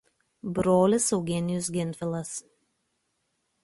Brolis Eugenijus Gentvilas.